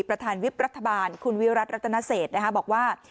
ประธานวิบรัฐบาลคุณวิรัติรัตนเศษบอกว่า